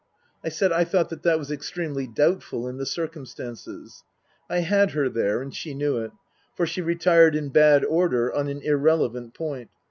I said I thought that that was extremely doubtful in the circumstances. I had her there, and she knew it, for she retired in bad order on an irrelevant point.